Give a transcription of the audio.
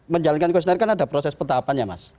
menjalankan kusyoner kan ada proses petaapan ya mas